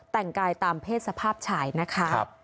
แต่งกายตามเพศสภาพชายนะคะ